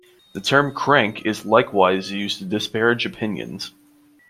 The term crank is likewise used to disparage opinions.